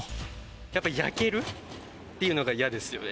やっぱ焼けるっていうのが嫌ですよね。